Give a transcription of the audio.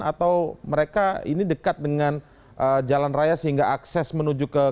atau mereka ini dekat dengan jalan raya sehingga akses menuju ke